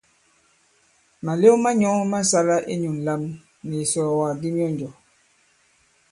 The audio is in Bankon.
Màlew ma nyɔ̄ ma sāla inyū ǹlam nì ìsɔ̀ɔ̀wàk di myɔnjɔ̀.